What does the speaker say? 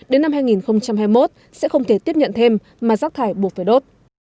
đến năm hai nghìn hai mươi một sẽ không thể tiếp nhận thêm mà rác thải buộc phải đốt